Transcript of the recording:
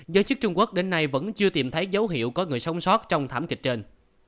giới chức trung quốc đến nay vẫn chưa tìm thấy dấu hiệu có người sống sót trong thảm kịch trên